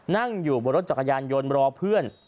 นั่งอยู่บนรถจักรยานยนต์รอเพื่อน